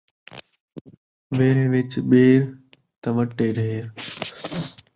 ویڑھے وِچ ٻیر تاں وٹے ڈھیر